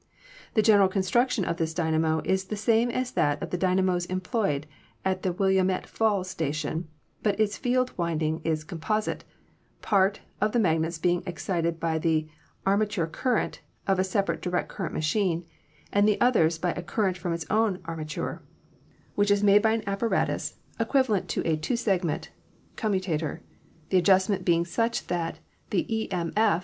The general construction of this dynamo is the same as that of the dynamos employed at the Willamette Falls station, but its field winding is composite, part of the magnets being excited by the armature current of a sepa rate direct current machine and the others by a current from its own armature, which is made by an apparatus* 218 ELECTRICITY equivalent to a two segment commutator, the adjustment being such that the e.m.f.